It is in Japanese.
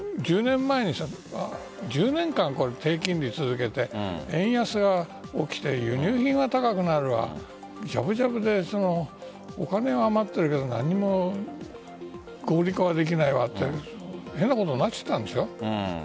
１０年間、低金利を続けて円安が起きて輸入品が高くなるわお金は余っているけど何も合理化できないって変なことになっちゃったんでしょ。